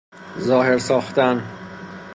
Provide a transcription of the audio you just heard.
ظاهر ساختن